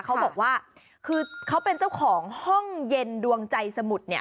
เขาบอกว่าคือเขาเป็นเจ้าของห้องเย็นดวงใจสมุทรเนี่ย